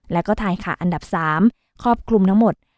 แล้วก็ทายขนามอันดับสามครอบคลุมทั้งหมด